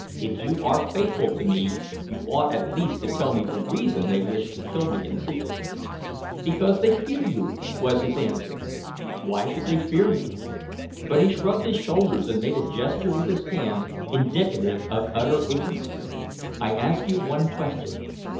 "If you are faithful to me, you ought at least to tell me the reason they wished to kill me in secret." "Because they fear you," was his answer. "Why should they fear me?" But he shrugged his shoulders, and made a gesture with his hands indicative of utter ignorance. "I ask you one question.